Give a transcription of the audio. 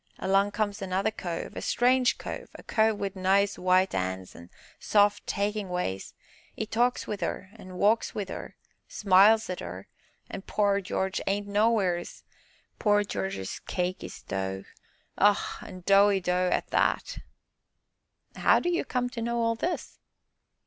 Along comes another cove a strange cove a cove wi' nice white 'ands an' soft, takin' ways 'e talks wi' 'er walks wi' 'er smiles at 'er an' pore Jarge ain't nowheeres pore Jarge's cake is dough ah! an' doughy dough at that!" "How do you come to know all this?"